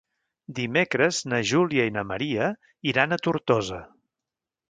Dimecres na Júlia i na Maria iran a Tortosa.